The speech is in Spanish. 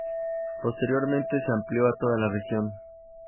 Posteriormente se amplió a toda la región.